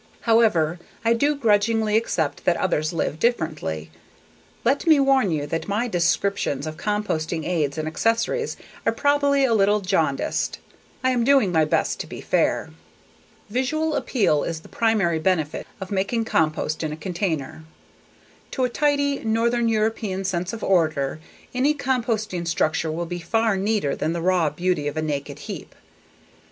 However, I do grudgingly accept that others live differently. Let me warn you that my descriptions of composting aids and accessories are probably a little jaundiced. I am doing my best to be fair. Visual appeal is the primary benefit of making compost in a container. To a tidy, northern European sense of order, any composting structure will be far neater than the raw beauty of a naked heap.